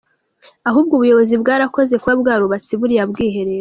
Ahubwo ubuyobozi bwarakoze kuba bwarubatse buriya bwiherero.